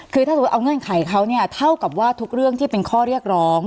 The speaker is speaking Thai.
คือถ้าสมมุติเอาเงื่อนไขเขาเนี่ยเท่ากับว่าทุกเรื่องที่เป็นข้อเรียกร้อง